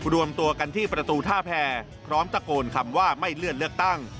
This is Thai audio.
รวมตัวกันที่ประตูท่าแพรพร้อมตะโกนคำว่าไม่เลื่อนเลือกตั้ง